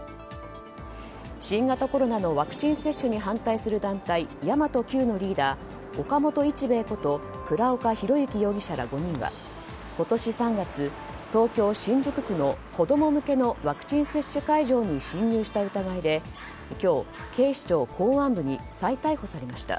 新型コロナのワクチン接種に反対する団体神真都Ｑのリーダー岡本一兵衛こと倉岡宏行容疑者ら５人は今年３月、東京・新宿区の子供向けのワクチン接種会場に侵入した疑いで今日、警視庁公安部に再逮捕されました。